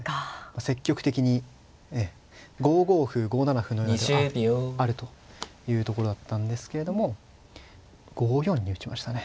積極的にええ５五歩５七歩のような手はあるというところだったんですけれども５四に打ちましたね。